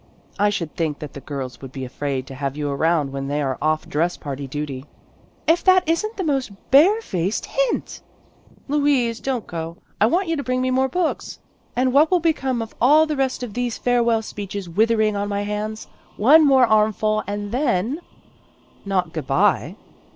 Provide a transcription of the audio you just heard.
" I should think that the girls would be afraid to have you around when they are off dress parade duty." " If that is n't the most barefaced hint !"" Louise, don't go. I want you to bring me more books." " And what will become of all the rest of these farewell speeches withering on my hands ? One more armful, and then " "Not good bye?"